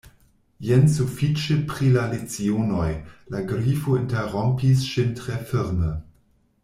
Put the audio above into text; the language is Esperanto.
"Jen sufiĉe pri la lecionoj," la Grifo interrompis ŝin tre firme.